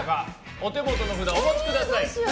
お手元の札をお持ちください。